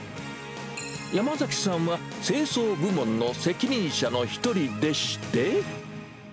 山崎さんは、清掃部門の責任者の一人でして。